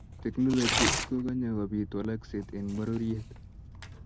teknolochy ko konye kobit walakset eng pororiet.